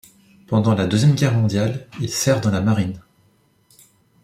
Pendant la Deuxième Guerre mondiale, il sert dans la marine.